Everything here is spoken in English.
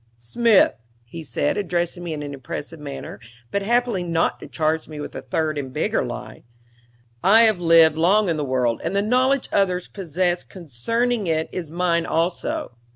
"Smith," he said, addressing me in an impressive manner, but happily not to charge me with a third and bigger lie, "I have lived long in the world, and the knowledge others possess concerning it is mine also.